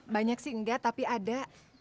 banyak sih enggak tapi ada